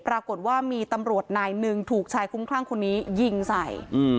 ปรากฏว่ามีตำรวจนายหนึ่งถูกชายคุ้มคลั่งคนนี้ยิงใส่